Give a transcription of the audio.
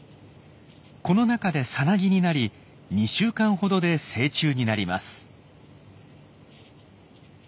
この中でさなぎになり２週間ほどで成虫になります。